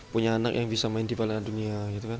punya anak yang bisa main di piala dunia